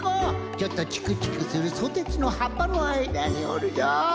ちょっとチクチクするソテツのはっぱのあいだにおるぞ。